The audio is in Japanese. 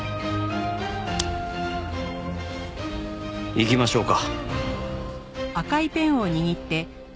行きましょうか。